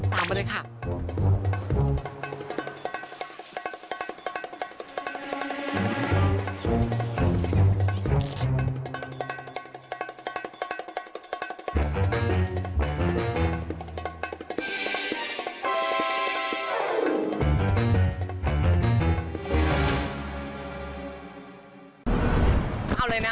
ตามมาเลยค่ะ